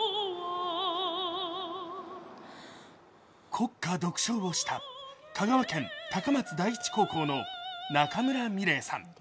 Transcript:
国歌独唱をした香川県高松第一高校の中村心澪さん。